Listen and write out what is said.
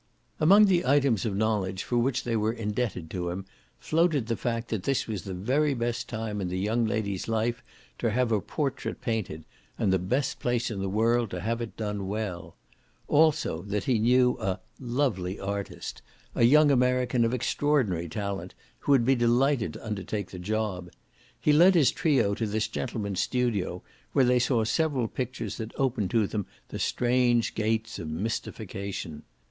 Among the items of knowledge for which they were indebted to him floated the fact that this was the very best time in the young lady's life to have her portrait painted and the best place in the world to have it done well; also that he knew a "lovely artist," a young American of extraordinary talent, who would be delighted to undertake the job. He led his trio to this gentleman's studio, where they saw several pictures that opened to them the strange gates of mystification.